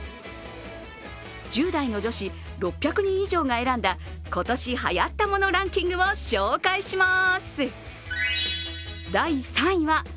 １０代の女子６００人以上が選んだ今年流行ったモノランキングを紹介します！